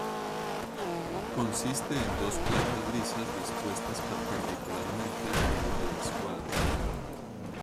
Consiste en dos placas lisas dispuestas perpendicularmente, a modo de escuadra.